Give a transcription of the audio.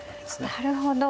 なるほど。